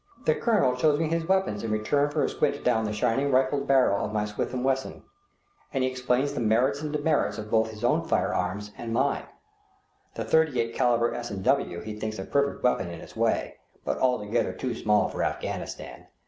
The colonel shows me his weapons in return for a squint down the shining rifled barrel of my Smith & Wesson, and he explains the merits and demerits of both his own firearms and mine. The 38 calibre S. & W. he thinks a perfect weapon in its way, but altogether too small for Afghanistan.